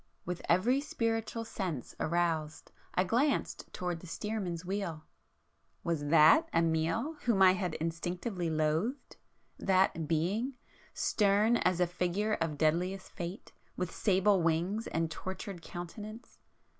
With every spiritual sense aroused, I glanced towards the steerman's wheel,—was that Amiel whom I had instinctively loathed?—that Being, stern as a figure of deadliest fate, with sable wings and tortured countenance?